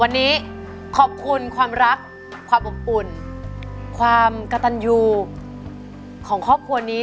วันนี้ขอบคุณความรักความอบอุ่นความกระตันยูของครอบครัวนี้